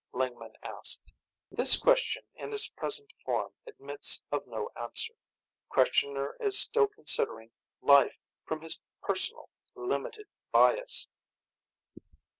Lingman asked. "This question, in its present form, admits of no answer. Questioner is still considering 'life,' from his personal, limited bias."